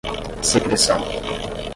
secreção